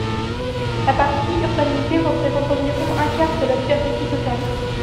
La partie urbanisée représente environ un quart de la superficie totale.